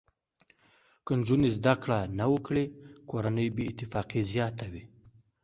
که نجونې زده کړه نه وکړي، کورنۍ بې اتفاقي زیاته وي.